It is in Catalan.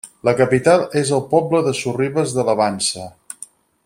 La capital és el poble de Sorribes de la Vansa.